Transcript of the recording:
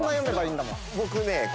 僕ね。